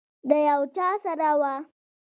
د یو چا سره وه.